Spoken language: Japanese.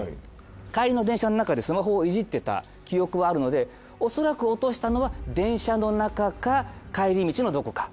帰りの電車の中でスマホをいじってた記憶はあるのでおそらく落としたのは電車の中か帰り道のどこか。